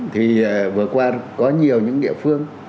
thì vừa qua có nhiều những địa phương